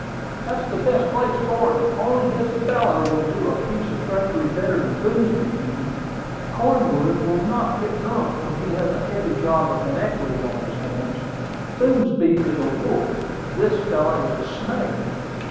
"That's the best place for him; only this fellow will do a piece of treachery better than Boomsby can. Cornwood will not get drunk when he has a heavy job of iniquity on his hands. Boomsby is a wolf: this fellow is a snake.